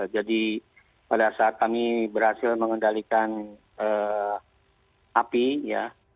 jadi pada saat kami berhasil mengendalikan api ya